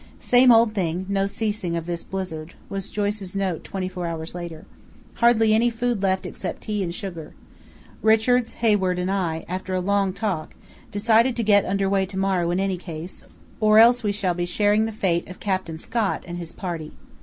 "Same old thing, no ceasing of this blizzard," was Joyce's note twenty four hours later. "Hardly any food left except tea and sugar. Richards, Hayward, and I, after a long talk, decided to get under way to morrow in any case, or else we shall be sharing the fate of Captain Scott and his party.